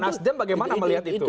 nasdem bagaimana melihat itu